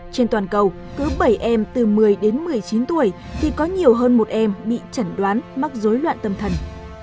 trên toàn cầu cứ bảy em từ một mươi đến một mươi chín tuổi thì có nhiều hơn một em bị chẩn đoán mắc dối loạn tâm thần